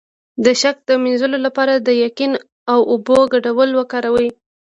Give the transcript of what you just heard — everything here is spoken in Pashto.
د شک د مینځلو لپاره د یقین او اوبو ګډول وکاروئ